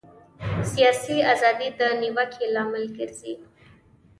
سیاسي ازادي د نیوکې لامل ګرځي.